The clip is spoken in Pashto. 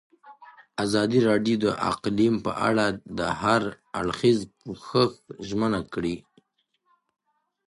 ازادي راډیو د اقلیم په اړه د هر اړخیز پوښښ ژمنه کړې.